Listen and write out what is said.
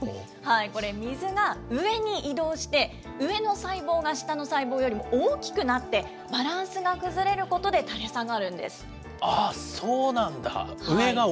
これ、水が上に移動して、上の細胞が下の細胞よりも大きくなって、バランスが崩れることで垂そうなんだ。